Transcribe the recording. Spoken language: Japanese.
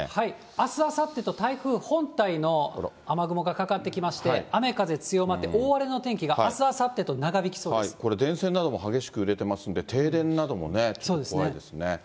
あす、あさってと台風本体の雨雲がかかってきまして、雨風強まって、大荒れの天気が、あす、これ、電線なども激しく揺れてますんで停電などもね、怖いですね。